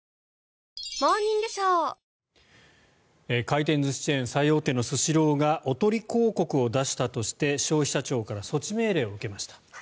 回転寿司チェーン最大手のスシローがおとり広告を出したとして消費者庁から措置命令を受けました。